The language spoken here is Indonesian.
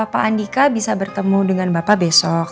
pak andika bisa bertemu dengan bapak besok